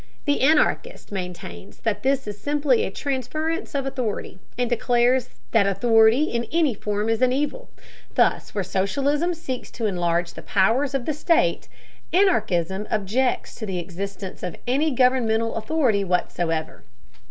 The anarchist maintains that this is simply a transference of authority, and declares that authority in any form is an evil. Thus where socialism seeks to enlarge the powers of the state, anarchism objects to the existence of any governmental authority whatsoever.